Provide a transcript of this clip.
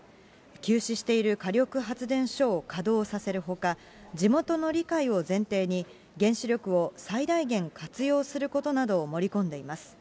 休止している火力発電所を稼働させるほか、地元の理解を前提に、原子力を最大限活用することなどを盛り込んでいます。